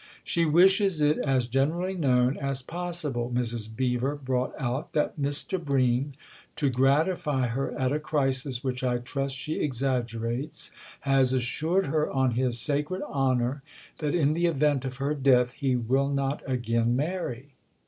" She wishes it as generally known as possible," Mrs. Beever brought out, "that Mr. Bream, to gratify her at a crisis which I trust she exaggerates, has assured her on his sacred honour that in the event of her death he will not again marry."